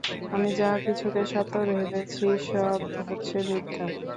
আমি যা কিছুকে সত্য ভেবেছি, সব হচ্ছে মিথ্যা।